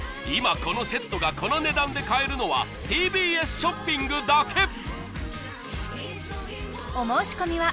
今このセットがこの値段で買えるのはＴＢＳショッピングだけ！